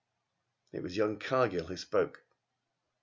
It was young Cargill who spoke.